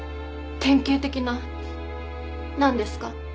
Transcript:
「典型的な」なんですか？